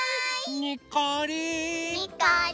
にっこり。